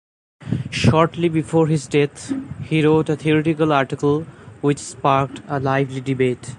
Shortly before his death, he wrote a theoretical article which sparked a lively debate.